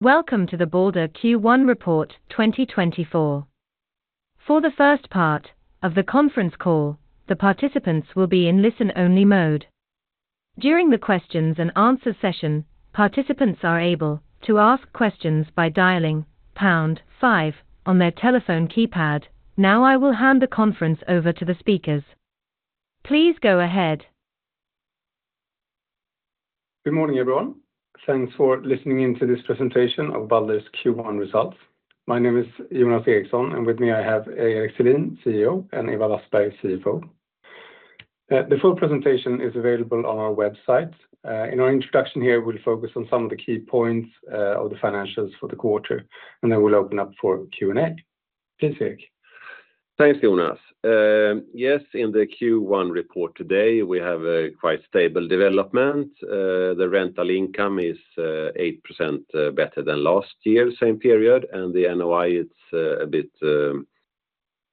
Welcome to the Balder Q1 report 2024. For the first part of the conference call, the participants will be in listen-only mode. During the questions and answer session, participants are able to ask questions by dialing pound five on their telephone keypad. Now, I will hand the conference over to the speakers. Please go ahead. Good morning, everyone. Thanks for listening in to this presentation of Balder's Q1 results. My name is Jonas Eriksson, and with me, I have Erik Selin, CEO, and Ewa Wassberg, CFO. The full presentation is available on our website. In our introduction here, we'll focus on some of the key points of the financials for the quarter, and then we'll open up for Q&A. Please, Erik. Thanks, Jonas. Yes, in the Q1 report today, we have a quite stable development. The rental income is 8% better than last year, same period, and the NOI, it's a bit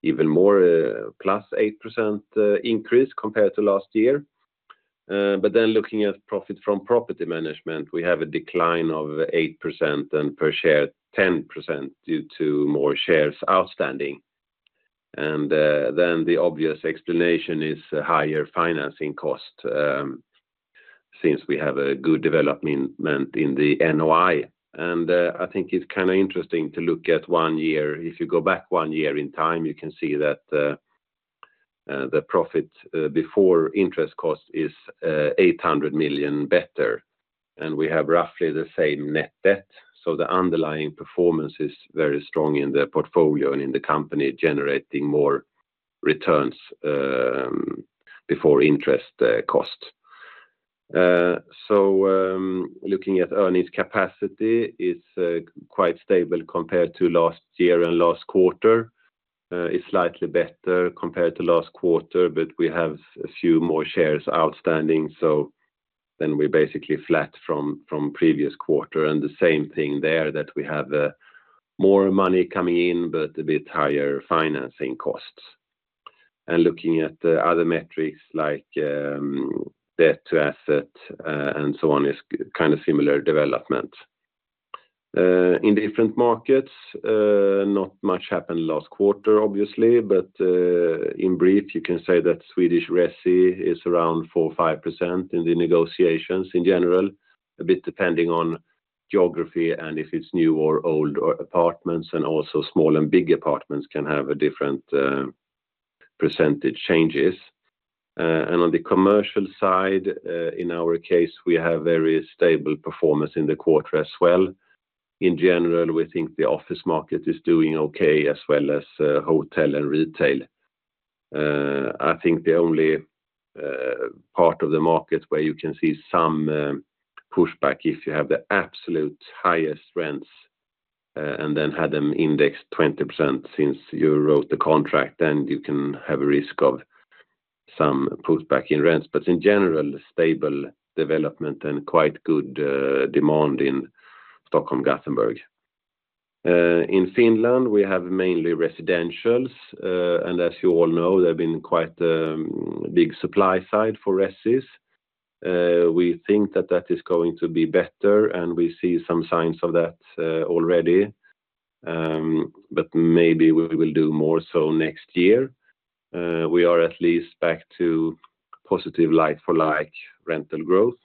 even more +8% increase compared to last year. But then looking at profit from property management, we have a decline of 8% and per share, 10% due to more shares outstanding. And then the obvious explanation is higher financing cost, since we have a good development in the NOI. And I think it's kind of interesting to look at one year. If you go back one year in time, you can see that the profit before interest cost is 800 million better, and we have roughly the same net debt. So the underlying performance is very strong in the portfolio and in the company, generating more returns, before interest, cost. So, looking at earnings capacity, it's quite stable compared to last year and last quarter. It's slightly better compared to last quarter, but we have a few more shares outstanding, so then we're basically flat from previous quarter. And the same thing there, that we have more money coming in, but a bit higher financing costs. And looking at the other metrics like debt to asset, and so on, is kind of similar development. In different markets, not much happened last quarter, obviously, but in brief, you can say that Swedish resi is around 4 or 5% in the negotiations in general, a bit depending on geography and if it's new or old or apartments, and also small and big apartments can have a different percentage changes. And on the commercial side, in our case, we have very stable performance in the quarter as well. In general, we think the office market is doing okay, as well as hotel and retail. I think the only part of the market where you can see some pushback if you have the absolute highest rents, and then had them indexed 20% since you wrote the contract, then you can have a risk of some pushback in rents. But in general, stable development and quite good demand in Stockholm, Gothenburg. In Finland, we have mainly residentials, and as you all know, there have been quite big supply side for resis. We think that that is going to be better, and we see some signs of that already. But maybe we will do more so next year. We are at least back to positive like-for-like rental growth,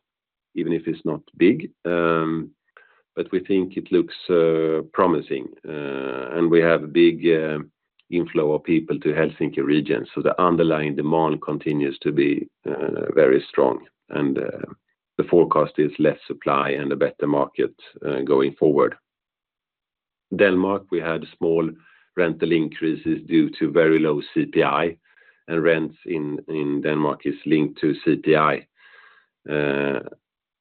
even if it's not big. But we think it looks promising, and we have a big inflow of people to Helsinki region. So the underlying demand continues to be very strong, and the forecast is less supply and a better market going forward. Denmark, we had small rental increases due to very low CPI, and rents in Denmark is linked to CPI.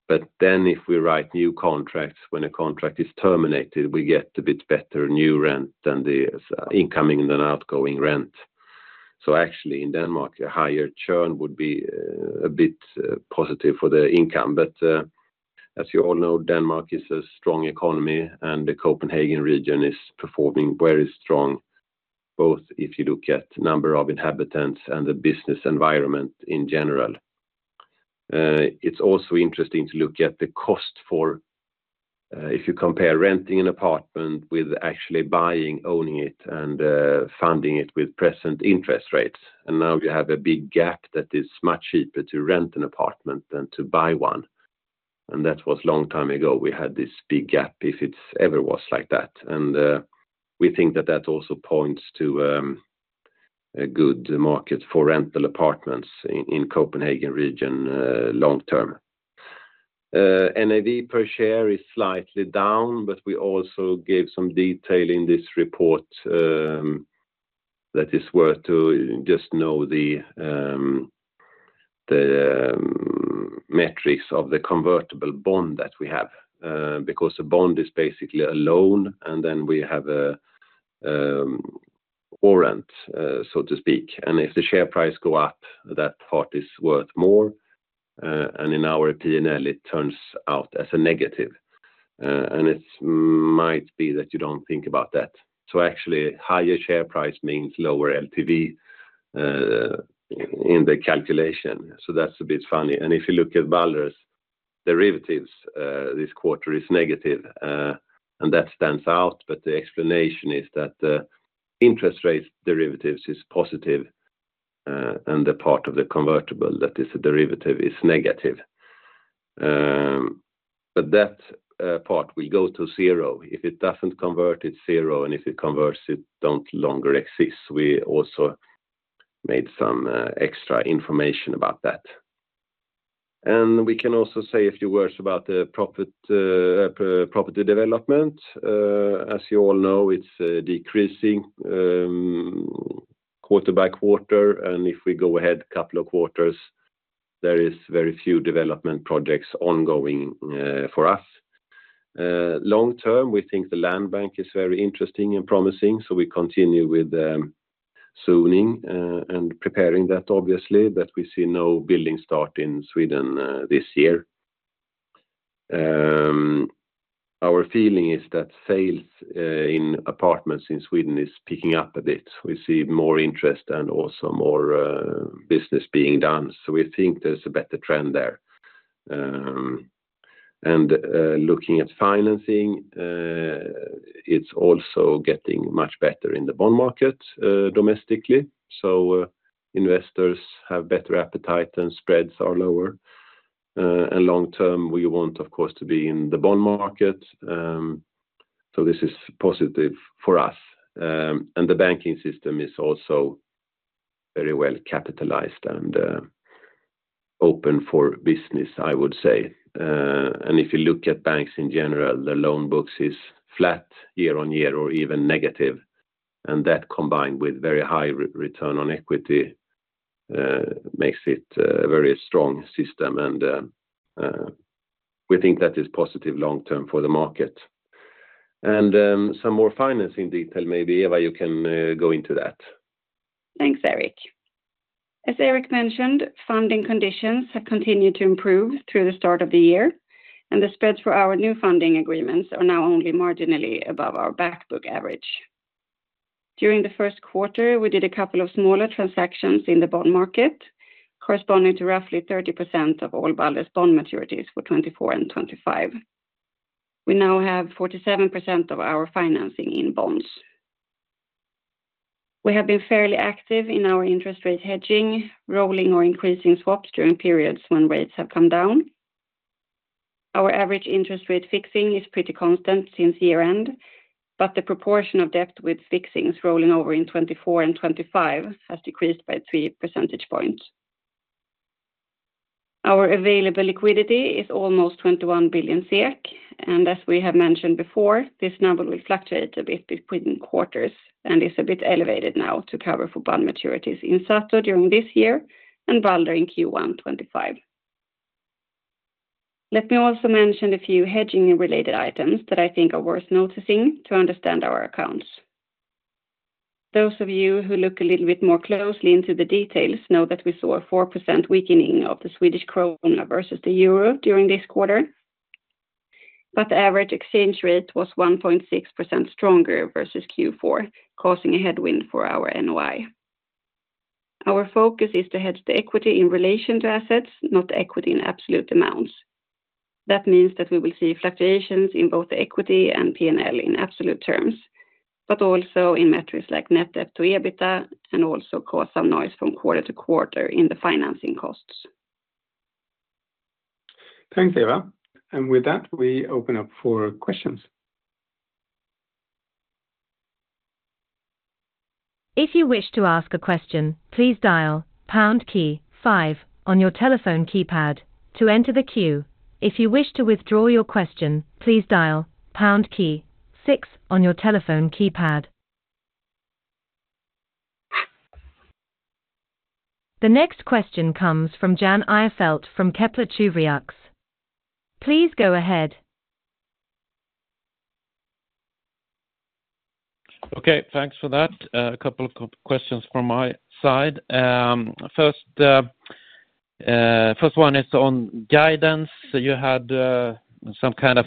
But then if we write new contracts, when a contract is terminated, we get a bit better new rent than the, incoming than outgoing rent. So actually, in Denmark, a higher churn would be, a bit, positive for the income. But, as you all know, Denmark is a strong economy, and the Copenhagen region is performing very strong, both if you look at number of inhabitants and the business environment in general. It's also interesting to look at the cost for, if you compare renting an apartment with actually buying, owning it, and, funding it with present interest rates. And now you have a big gap that is much cheaper to rent an apartment than to buy one. And that was long time ago. We had this big gap, if it ever was like that. We think that that also points to a good market for rental apartments in the Copenhagen region, long term. NAV per share is slightly down, but we also gave some detail in this report that is worth to just know the metrics of the convertible bond that we have, because the bond is basically a loan, and then we have a warrant, so to speak. And if the share price go up, that part is worth more, and in our P&L, it turns out as a negative. And it might be that you don't think about that. So actually, higher share price means lower LTV in the calculation, so that's a bit funny. And if you look at Balder's derivatives, this quarter is negative, and that stands out, but the explanation is that the interest rates derivatives is positive, and the part of the convertible that is a derivative is negative. But that part will go to zero. If it doesn't convert, it's zero, and if it converts, it don't longer exist. We also made some extra information about that. And we can also say a few words about the profit property development. As you all know, it's decreasing, quarter by quarter, and if we go ahead a couple of quarters, there is very few development projects ongoing, for us. Long term, we think the land bank is very interesting and promising, so we continue with zoning and preparing that, obviously, but we see no building start in Sweden this year. Our feeling is that sales in apartments in Sweden is picking up a bit. We see more interest and also more business being done, so we think there's a better trend there. And looking at financing, it's also getting much better in the bond market domestically. So investors have better appetite, and spreads are lower. And long term, we want, of course, to be in the bond market, so this is positive for us. And the banking system is also very well capitalized and open for business, I would say. And if you look at banks in general, the loan books is flat year-over-year or even negative, and that, combined with very high return on equity, makes it a very strong system, and we think that is positive long-term for the market. And some more financing detail, maybe, Ewa, you can go into that. Thanks, Erik. As Erik mentioned, funding conditions have continued to improve through the start of the year, and the spreads for our new funding agreements are now only marginally above our back book average. During the first quarter, we did a couple of smaller transactions in the bond market, corresponding to roughly 30% of all Balder's bond maturities for 2024 and 2025. We now have 47% of our financing in bonds. We have been fairly active in our interest rate hedging, rolling or increasing swaps during periods when rates have come down. Our average interest rate fixing is pretty constant since year-end, but the proportion of debt with fixings rolling over in 2024 and 2025 has decreased by 3 percentage points. Our available liquidity is almost 21 billion, and as we have mentioned before, this number will fluctuate a bit between quarters and is a bit elevated now to cover for bond maturities in Sato during this year and Balder in Q1 2025. Let me also mention a few hedging-related items that I think are worth noticing to understand our accounts. Those of you who look a little bit more closely into the details know that we saw a 4% weakening of the Swedish krona versus the euro during this quarter, but the average exchange rate was 1.6% stronger versus Q4, causing a headwind for our NOI. Our focus is to hedge the equity in relation to assets, not the equity in absolute amounts. That means that we will see fluctuations in both the equity and P&L in absolute terms, but also in metrics like net debt to EBITDA, and also cause some noise from quarter to quarter in the financing costs. Thanks, Ewa, and with that, we open up for questions. If you wish to ask a question, please dial pound key five on your telephone keypad to enter the queue. If you wish to withdraw your question, please dial pound key six on your telephone keypad. The next question comes from Jan Ihrfelt from Kepler Cheuvreux. Please go ahead. Okay, thanks for that. A couple of questions from my side. First one is on guidance. So you had some kind of,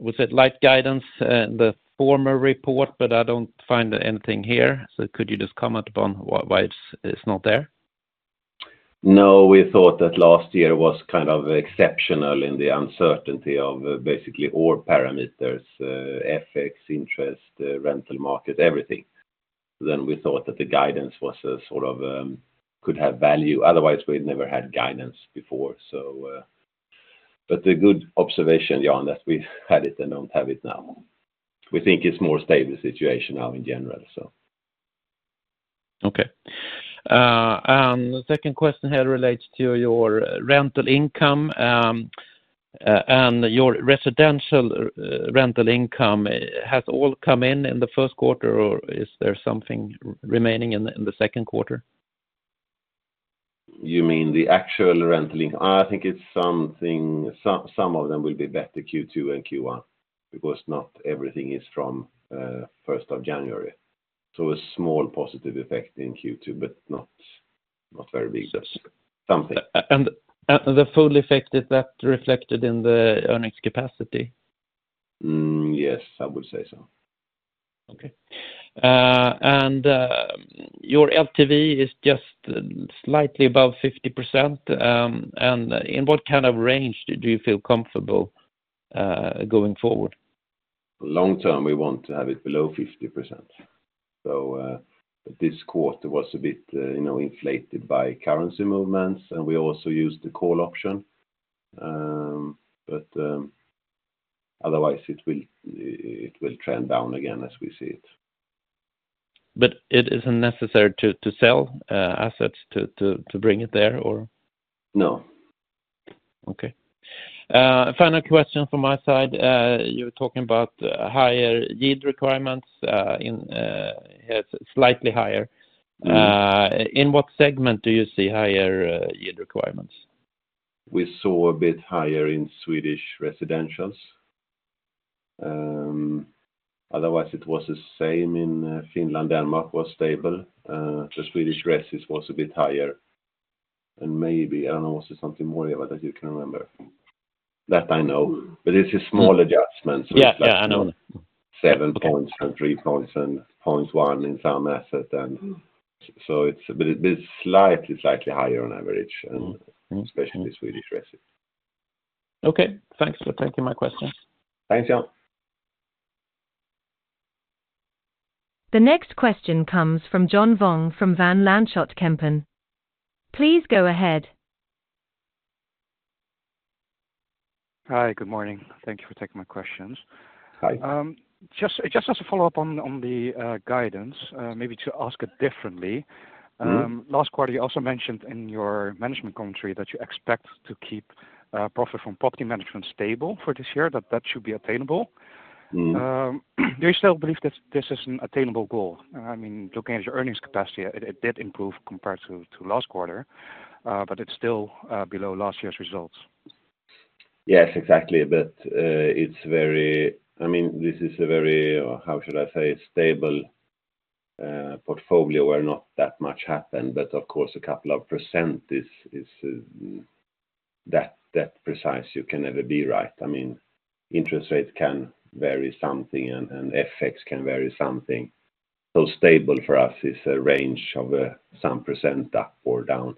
was it light guidance, in the former report, but I don't find anything here. So could you just comment upon why it's not there? No, we thought that last year was kind of exceptional in the uncertainty of basically all parameters, FX, interest, rental market, everything. Then we thought that the guidance was a sort of, could have value. Otherwise, we'd never had guidance before, so... But a good observation, Jan, that we had it and don't have it now. We think it's more stable situation now in general, so. Okay. And the second question here relates to your rental income. And your residential rental income has all come in in the first quarter, or is there something remaining in the second quarter? You mean the actual rental income? I think it's something—some of them will be better Q2 and Q1, because not everything is from first of January. So a small positive effect in Q2, but not much. Not very big, just something. And the full effect, is that reflected in the earnings capacity? Mm, yes, I would say so. Okay. And your LTV is just slightly above 50%. And in what kind of range do you feel comfortable going forward? Long term, we want to have it below 50%. So, this quarter was a bit, you know, inflated by currency movements, and we also used the call option. But, otherwise, it will, it will trend down again as we see it. But it isn't necessary to sell assets to bring it there or? No. Okay. Final question from my side. You're talking about higher yield requirements, in, slightly higher. Mm. In what segment do you see higher yield requirements? We saw a bit higher in Swedish residentials. Otherwise, it was the same in Finland. Denmark was stable. The Swedish resis was a bit higher, and maybe, I don't know, was there something more, Ewa, that you can remember? That I know, but it's a small adjustment. Yeah, yeah, I know. 7 points and 3 points and 1 point in some asset, and so it's a bit slightly higher on average, and- Mm. especially Swedish resis. Okay, thanks for taking my questions. Thanks, Jan. The next question comes from John Vuong from Van Lanschot Kempen. Please go ahead. Hi, good morning. Thank you for taking my questions. Hi. Just as a follow-up on the guidance, maybe to ask it differently. Mm. Last quarter, you also mentioned in your management commentary that you expect to keep profit from property management stable for this year, that that should be attainable. Mm. Do you still believe that this is an attainable goal? I mean, looking at your earnings capacity, it did improve compared to last quarter, but it's still below last year's results. Yes, exactly. But it's very... I mean, this is a very, or how should I say, stable portfolio where not that much happened, but of course, a couple of % is that precise you can never be right. I mean, interest rates can vary something, and FX can vary something. So stable for us is a range of some % up or down.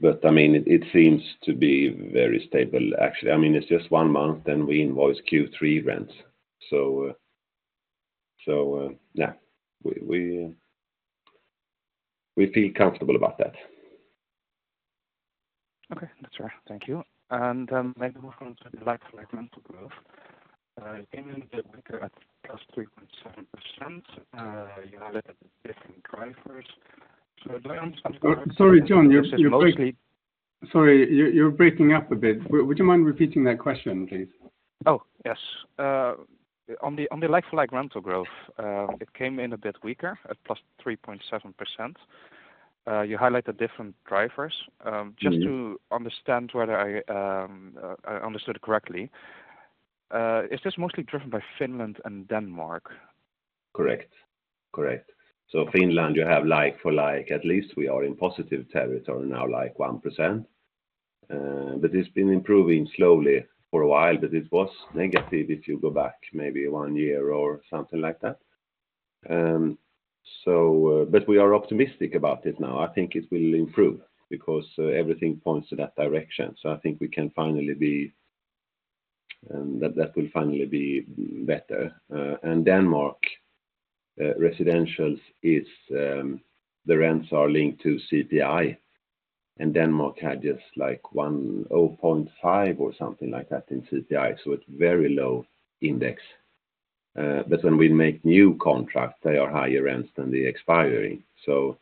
But I mean, it seems to be very stable, actually. I mean, it's just one month, then we invoice Q3 rents, so yeah, we feel comfortable about that. Okay. That's right. Thank you. And, maybe move on to the like-for-like rental growth. Came in weaker at +3.7%, you had a different drivers. So do I understand- Sorry, John, you're break- -mostly-Sorry, you're breaking up a bit. Would you mind repeating that question, please? Oh, yes. On the like-for-like rental growth, it came in a bit weaker at +3.7%. You highlighted different drivers. Mm. Just to understand whether I understood correctly, is this mostly driven by Finland and Denmark? Correct. Correct. So Finland, you have like-for-like. At least we are in positive territory now, like 1%. But it's been improving slowly for a while, but it was negative if you go back maybe 1 year or something like that. So, but we are optimistic about it now. I think it will improve because everything points to that direction. So I think we can finally be, that, that will finally be better. And Denmark, residentials is, the rents are linked to CPI, and Denmark had just like 1.05 or something like that in CPI, so it's very low index. But when we make new contracts, they are higher rents than the expiry. So,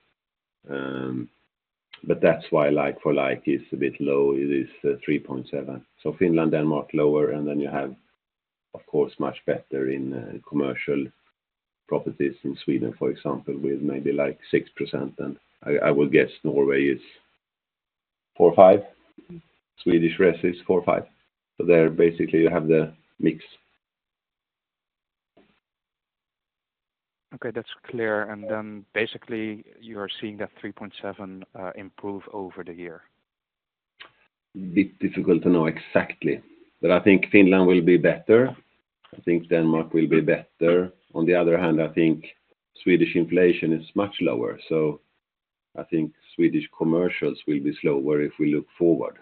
but that's why like-for-like is a bit low, it is 3.7. So Finland, Denmark, lower, and then you have, of course, much better in commercial properties in Sweden, for example, with maybe like 6%. And I would guess Norway is 4-5. Swedish resis, 4-5. So there, basically, you have the mix. Okay, that's clear. And then basically, you are seeing that 3.7 improve over the year. bit difficult to know exactly, but I think Finland will be better. I think Denmark will be better. On the other hand, I think Swedish inflation is much lower, so I think Swedish commercials will be slower if we look forward.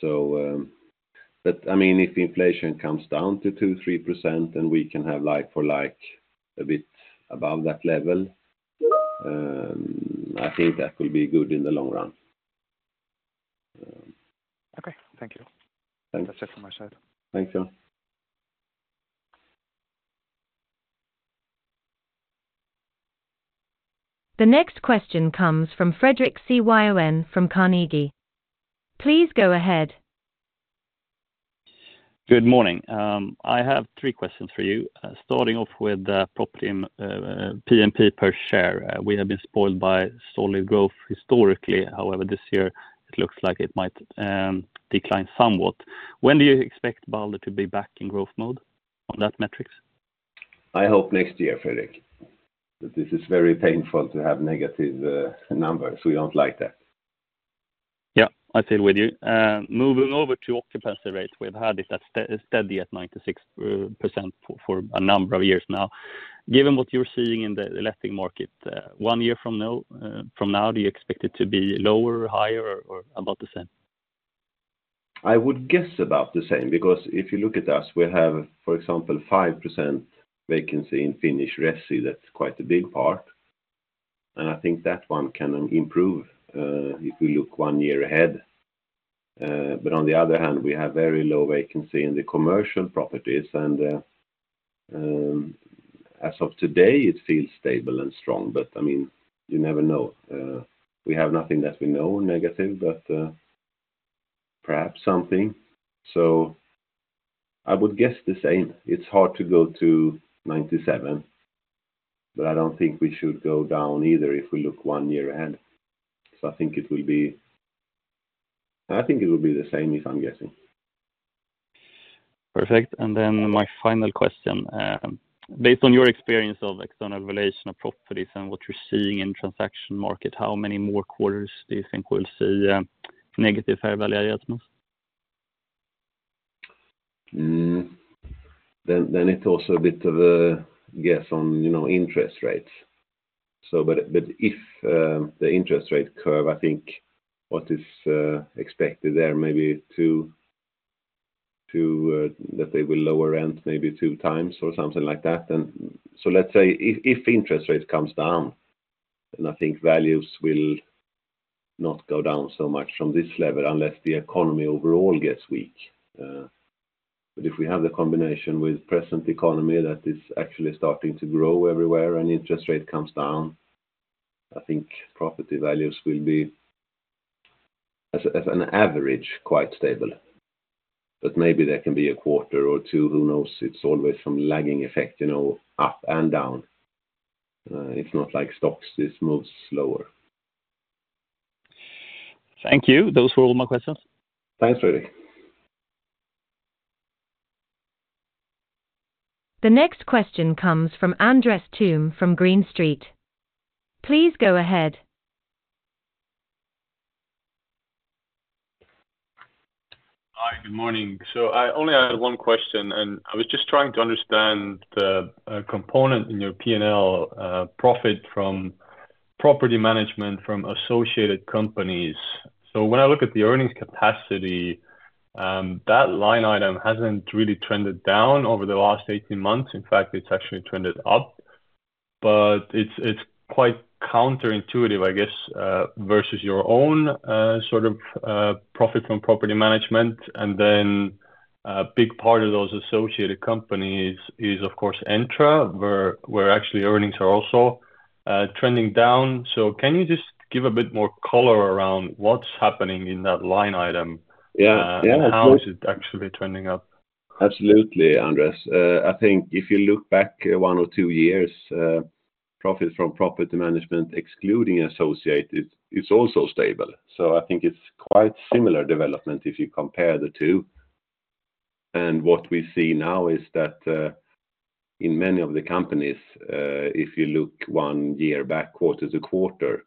So, but, I mean, if inflation comes down to 2-3%, then we can have like-for-like a bit above that level. I think that will be good in the long run. Okay. Thank you. That's it from my side. Thanks, John. The next question comes from Fredrik Cyon from Carnegie. Please go ahead. Good morning. I have three questions for you, starting off with the property, PMP per share. We have been spoiled by solid growth historically. However, this year, it looks like it might decline somewhat. When do you expect Balder to be back in growth mode? on that metrics? I hope next year, Fredrik. But this is very painful to have negative numbers. We don't like that. Yeah, I feel with you. Moving over to occupancy rate, we've had it at steady at 96% for a number of years now. Given what you're seeing in the letting market, one year from now, from now, do you expect it to be lower or higher or about the same? I would guess about the same, because if you look at us, we have, for example, 5% vacancy in Finnish resi. That's quite a big part, and I think that one can improve, if we look one year ahead. But on the other hand, we have very low vacancy in the commercial properties, and, as of today, it feels stable and strong, but, I mean, you never know. We have nothing that we know negative, but, perhaps something. So I would guess the same. It's hard to go to 97, but I don't think we should go down either if we look one year ahead. So I think it will be—I think it will be the same if I'm guessing. Perfect. And then my final question, based on your experience of external valuation of properties and what you're seeing in transaction market, how many more quarters do you think we'll see negative fair value at most? Then, it's also a bit of a guess on, you know, interest rates. So, but if the interest rate curve, I think what is expected there, maybe 2, 2, that they will lower end, maybe 2x or something like that. Then, so let's say if interest rates comes down, then I think values will not go down so much from this level unless the economy overall gets weak. But if we have the combination with present economy, that is actually starting to grow everywhere and interest rate comes down, I think property values will be, as an average, quite stable. But maybe there can be a quarter or two, who knows? It's always some lagging effect, you know, up and down. It's not like stocks, this moves slower. Thank you. Those were all my questions. Thanks, Fredrik. The next question comes from Andres Toome from Green Street. Please go ahead. Hi, good morning. So I only had one question, and I was just trying to understand the component in your P&L, profit from property management from associated companies. So when I look at the earnings capacity, that line item hasn't really trended down over the last 18 months. In fact, it's actually trended up, but it's quite counterintuitive, I guess, versus your own, sort of, profit from property management. And then, a big part of those associated companies is, of course, Entra, where actually earnings are also trending down. So can you just give a bit more color around what's happening in that line item? Yeah, yeah- How is it actually trending up? Absolutely, Andres. I think if you look back one or two years, profit from property management, excluding associated, is also stable. So I think it's quite similar development if you compare the two. And what we see now is that, in many of the companies, if you look one year back, quarter-to-quarter,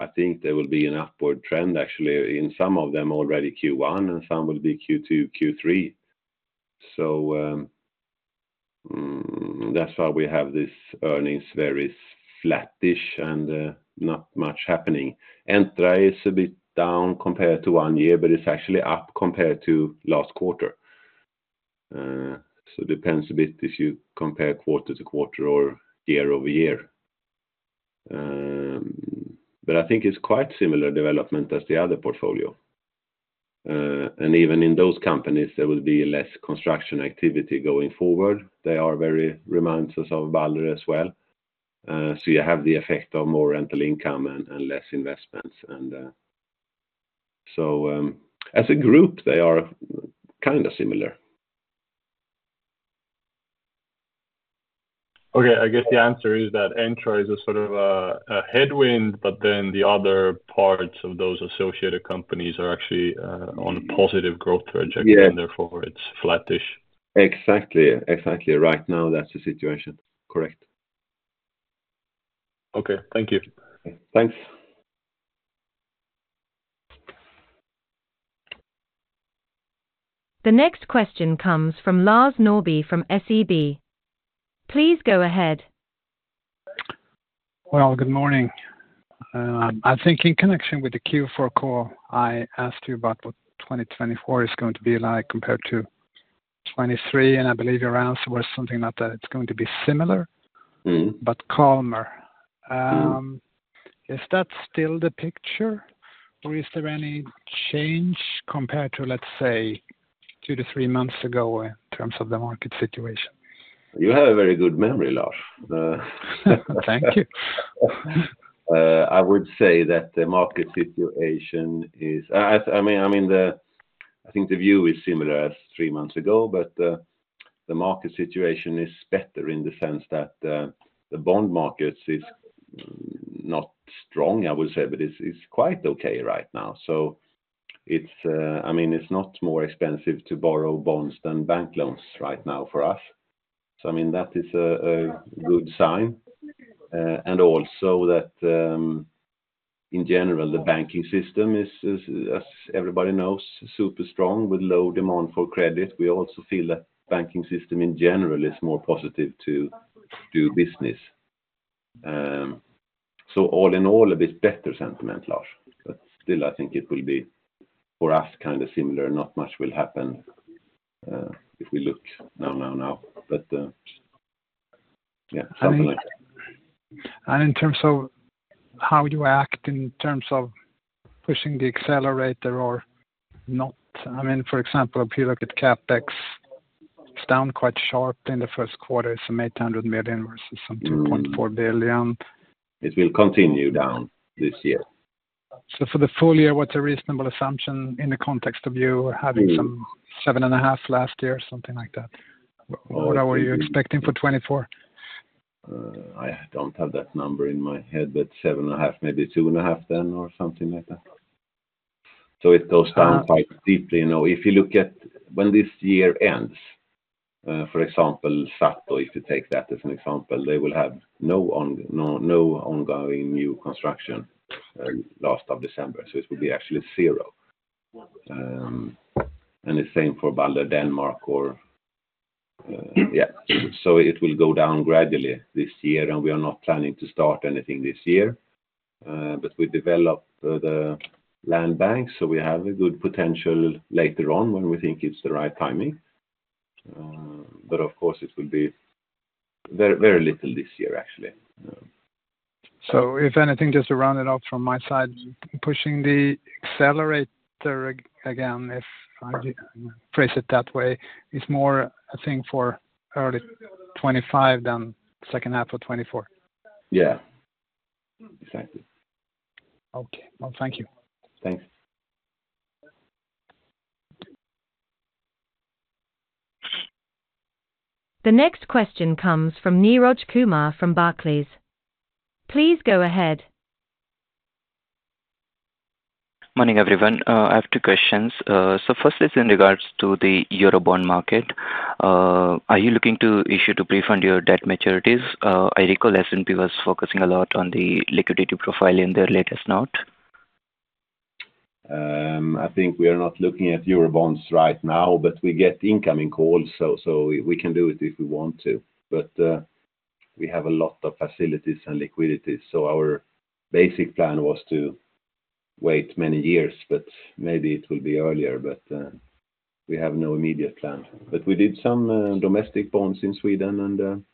I think there will be an upward trend, actually, in some of them already Q1, and some will be Q2, Q3. So, that's why we have this earnings very flattish and, not much happening. Entra is a bit down compared to one year, but it's actually up compared to last quarter. So depends a bit if you compare quarter-to-quarter or year-over-year. But I think it's quite similar development as the other portfolio. Even in those companies, there will be less construction activity going forward. Reminds us of Balder as well. So you have the effect of more rental income and less investments. So, as a group, they are kind of similar. Okay. I guess the answer is that Entra is a sort of a headwind, but then the other parts of those associated companies are actually on a positive growth trajectory- Yeah... therefore, it's flattish. Exactly. Exactly. Right now, that's the situation. Correct. Okay, thank you. Thanks. The next question comes from Lars Norrby from SEB. Please go ahead. Well, good morning. I think in connection with the Q4 call, I asked you about what 2024 is going to be like compared to 2023, and I believe your answer was something like that it's going to be similar- Mm... but calmer. Is that still the picture, or is there any change compared to, let's say, 2-3 months ago in terms of the market situation? You have a very good memory, Lars. Thank you. I would say that the market situation is... I mean, I think the view is similar as three months ago, but the market situation is better in the sense that the bond markets is not strong, I would say, but it's quite okay right now. I mean, it's not more expensive to borrow bonds than bank loans right now for us. So I mean, that is a good sign. And also that, in general, the banking system is, as everybody knows, super strong with low demand for credit. We also feel that banking system in general is more positive to do business. So all in all, a bit better sentiment, Lars. But still, I think it will be, for us, kind of similar. Not much will happen, if we look now. But, yeah. In terms of how you act, in terms of pushing the accelerator or not, I mean, for example, if you look at CapEx, it's down quite sharp in the first quarter. It's some 800 million versus some 2.4 billion. It will continue down this year. For the full year, what's a reasonable assumption in the context of you having some 7.5 last year or something like that? What are you expecting for 2024? I don't have that number in my head, but 7.5, maybe 2.5 then, or something like that. So it goes down quite deeply. Now, if you look at when this year ends, for example, Sato, if you take that as an example, they will have no—no, no ongoing new construction, last of December, so it will be actually zero. And the same for Balder, Denmark, or. So it will go down gradually this year, and we are not planning to start anything this year. But we developed the land bank, so we have a good potential later on when we think it's the right timing. But of course, it will be very, very little this year, actually. So if anything, just to round it off from my side, pushing the accelerator again, if I phrase it that way, is more a thing for early 2025 than second half of 2024. Yeah. Exactly. Okay, well, thank you. Thanks. The next question comes from Neeraj Kumar from Barclays. Please go ahead. Morning, everyone. I have two questions. So firstly, it's in regards to the Euro bond market. Are you looking to issue to prefund your debt maturities? I recall S&P was focusing a lot on the liquidity profile in their latest note. I think we are not looking at Euro bonds right now, but we get incoming calls, so we can do it if we want to. But we have a lot of facilities and liquidity, so our basic plan was to wait many years, but maybe it will be earlier, but we have no immediate plan. But we did some domestic bonds in Sweden,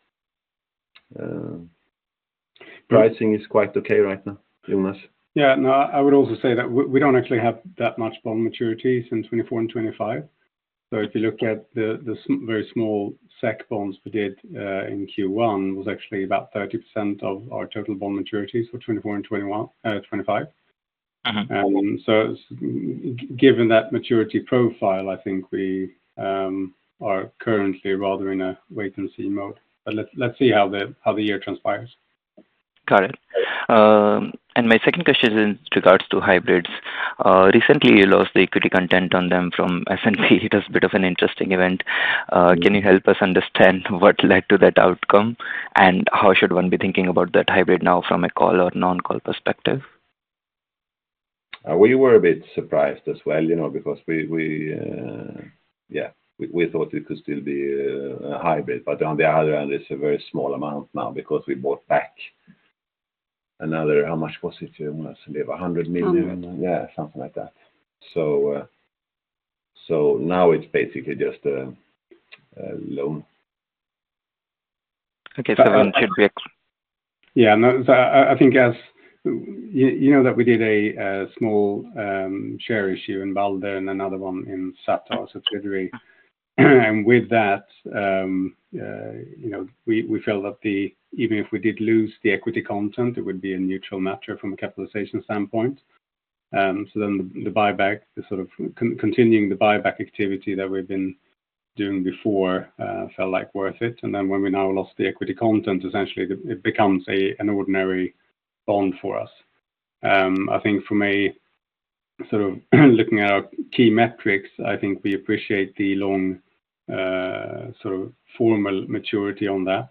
and pricing is quite okay right now, Jonas. Yeah. No, I would also say that we don't actually have that much bond maturities in 2024 and 2025. So if you look at the very small SEK bonds we did in Q1, was actually about 30% of our total bond maturities for 2024 and 2025. Uh-huh. So given that maturity profile, I think we are currently rather in a wait-and-see mode. But let's see how the year transpires. Got it. My second question is in regards to hybrids. Recently, you lost the equity content on them from S&P. It was a bit of an interesting event. Can you help us understand what led to that outcome, and how should one be thinking about that hybrid now from a call or non-call perspective? We were a bit surprised as well, you know, because we thought it could still be a hybrid, but on the other hand, it's a very small amount now because we bought back. How much was it, Jonas? We have 100 million. Hundred. Yeah, something like that. So, now it's basically just a loan. Okay. So it should be- Yeah, no, so I think as you know that we did a small share issue in Balder and another one in Sato, a subsidiary. And with that, you know, we felt that the... Even if we did lose the equity content, it would be a neutral matter from a capitalization standpoint. So then the buyback, the sort of continuing the buyback activity that we've been doing before, felt like worth it. And then when we now lost the equity content, essentially it becomes an ordinary bond for us. I think from a sort of looking at our key metrics, I think we appreciate the long sort of formal maturity on that.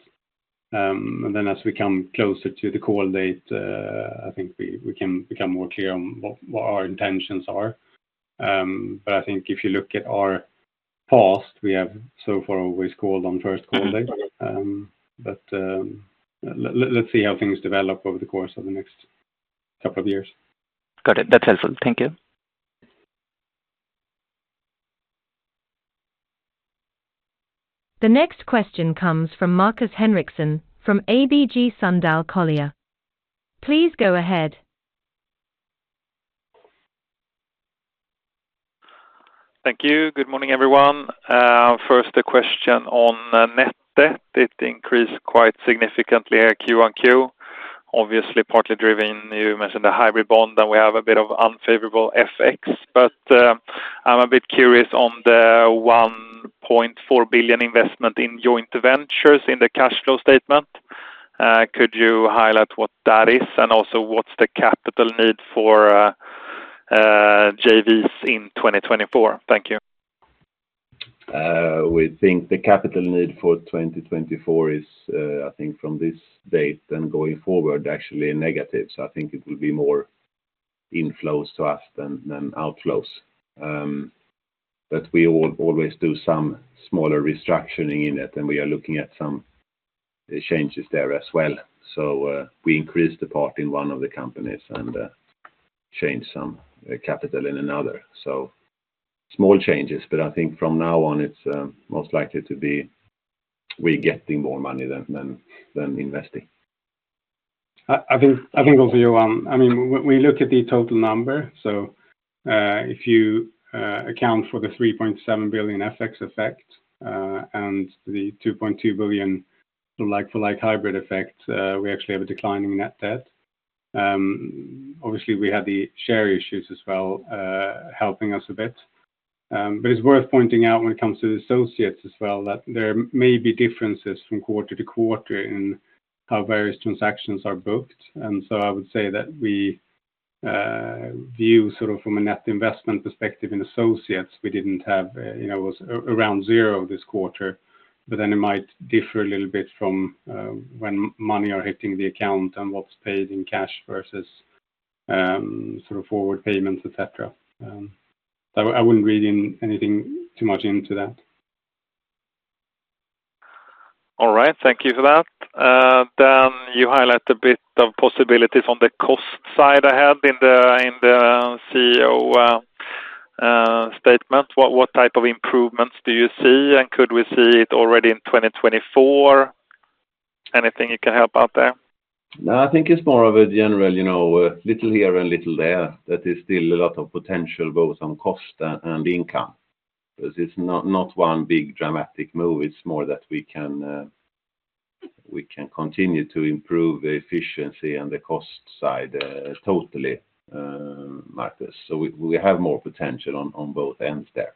And then as we come closer to the call date, I think we, we can become more clear on what, what our intentions are. But I think if you look at our past, we have so far always called on first call date. But, let's see how things develop over the course of the next couple of years. Got it. That's helpful. Thank you. The next question comes from Markus Henriksson, from ABG Sundal Collier. Please go ahead. Thank you. Good morning, everyone. First, a question on net debt. It increased quite significantly at Q1Q. Obviously, partly driven, you mentioned the hybrid bond, and we have a bit of unfavorable FX. But, I'm a bit curious on the 1.4 billion investment in joint ventures in the cash flow statement. Could you highlight what that is? And also, what's the capital need for JVs in 2024? Thank you. We think the capital need for 2024 is, I think from this date and going forward, actually negative. So I think it will be more inflows to us than outflows. But we always do some smaller restructuring in it, and we are looking at some changes there as well. So, we increased the part in one of the companies and changed some capital in another. So small changes, but I think from now on, it's most likely to be we getting more money than investing. I think also, Jonas, I mean, when we look at the total number, so, if you account for the 3.7 billion FX effect, and the 2.2 billion like-for-like hybrid effect, we actually have a decline in net debt. Obviously, we had the share issues as well, helping us a bit. But it's worth pointing out when it comes to the associates as well, that there may be differences from quarter to quarter in how various transactions are booked. And so I would say that we view sort of from a net investment perspective in associates, we didn't have, you know, it was around zero this quarter, but then it might differ a little bit from when money are hitting the account and what's paid in cash versus sort of forward payments, et cetera. I wouldn't read in anything too much into that. All right. Thank you for that. Then you highlight a bit of possibilities on the cost side I had in the CEO statement. What type of improvements do you see, and could we see it already in 2024? Anything you can help out there? No, I think it's more of a general, you know, little here and little there. That is still a lot of potential, both on cost and income. Because it's not one big dramatic move, it's more that we can continue to improve the efficiency and the cost side, totally, Markus. So we have more potential on both ends there,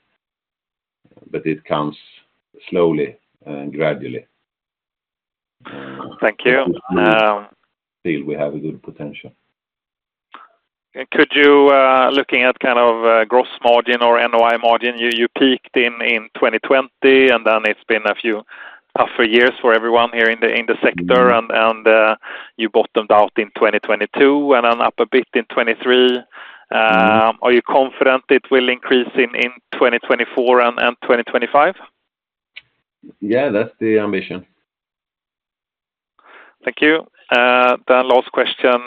but it comes slowly and gradually. Thank you, Still, we have a good potential. Could you, looking at kind of, gross margin or NOI margin, you, you peaked in 2020, and then it's been a few tougher years for everyone here in the sector. You bottomed out in 2022, and then up a bit in 2023. Are you confident it will increase in 2024 and 2025? Yeah, that's the ambition. Thank you. Then last question,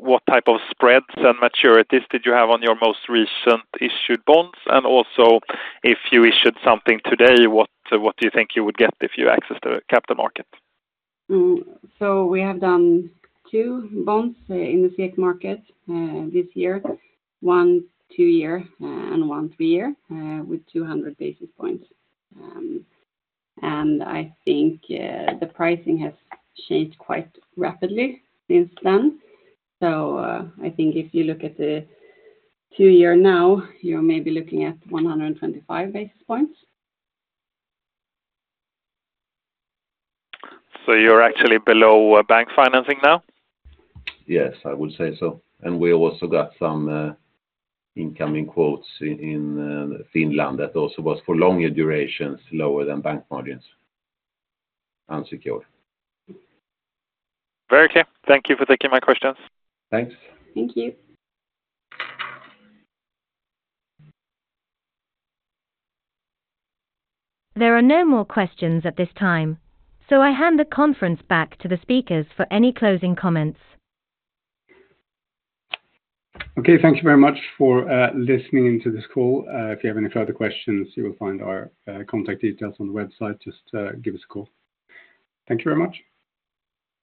what type of spreads and maturities did you have on your most recent issued bonds? And also, if you issued something today, what do you think you would get if you accessed the capital market? So we have done 2 bonds in the SEK market this year. One 2-year and one 3-year with 200 basis points. And I think the pricing has changed quite rapidly since then. So I think if you look at the 2-year now, you're maybe looking at 125 basis points. You're actually below bank financing now? Yes, I would say so. We also got some incoming quotes in Finland. That also was for longer durations, lower than bank margins, unsecured. Very clear. Thank you for taking my questions. Thanks. Thank you. There are no more questions at this time, so I hand the conference back to the speakers for any closing comments. Okay, thank you very much for listening to this call. If you have any further questions, you will find our contact details on the website. Just give us a call. Thank you very much!